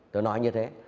tôi nói như thế